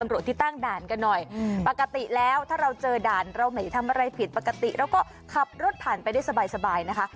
ที่ตั้งด่านกันหน่อยปกติแล้วถ้าเราเจอด่านเราไม่ได้ทำอะไรผิดปกติเราก็ขับรถผ่านไปได้สบายนะคะ